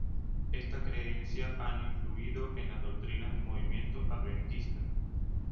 Esta creencia han influido en las doctrinas del movimiento adventista.